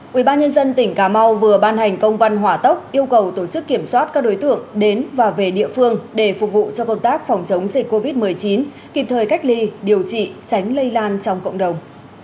quỹ ban nhân dân tỉnh cà mau vừa ban hành công văn hỏa tốc yêu cầu tổ chức kiểm soát các đối tượng đến và về địa phương để phục vụ cho công tác phòng chống dịch covid một mươi chín kịp thời cách ly điều trị tránh lây lan trong cộng đồng